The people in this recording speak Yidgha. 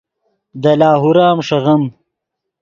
دے لاہور ام ݰیغیم